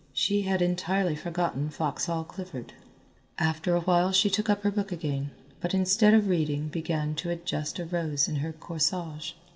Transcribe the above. She had entirely forgotten Foxhall Clifford. After a while she took up her book again, but instead of reading began to adjust a rose in her corsage.